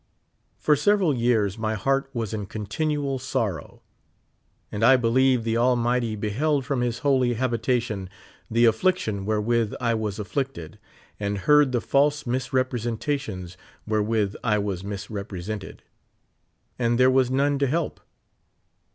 For several years my heart was in continual sor row. And I believe the Almighty beheld from his holy habitation the atlliction wherewith I was afflicted, and heard the false misrepresentations wherewith I was mis* represented ; and there was none to help.